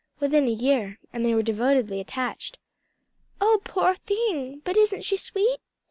"Within a year, and they were devotedly attached." "Oh poor thing! But isn't she sweet?"